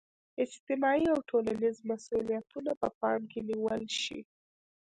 اجتماعي او ټولنیز مسولیتونه په پام کې نیول شي.